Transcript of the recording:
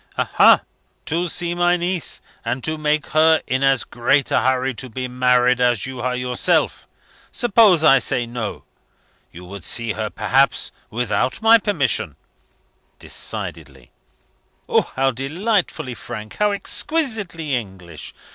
"Aha! to see my niece? and to make her in as great a hurry to be married as you are yourself? Suppose I say, No? you would see her perhaps without my permission?" "Decidedly!" "How delightfully frank! How exquisitely English!